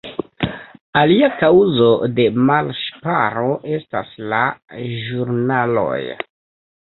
Alia kaŭzo de malŝparo estas la ĵurnaloj.